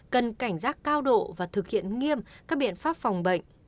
cần cảnh giác cao độ và thực hiện nghiêm các biện pháp phòng bệnh